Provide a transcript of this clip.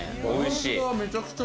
おいしい。